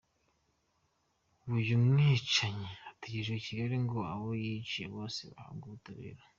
Ubu uyu mwicanyi ategerejwe i Kigali ngo abo yiciye bose bahabwe ubutabera